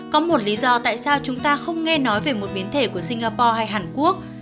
có một lý do tại sao chúng ta không nghe nói về một biến thể của singapore hay hàn quốc